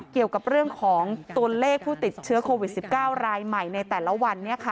เกี่ยวกับเรื่องของตัวเลขผู้ติดเชื้อโควิด๑๙รายใหม่ในแต่ละวัน